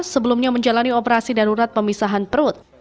sebelumnya menjalani operasi darurat pemisahan perut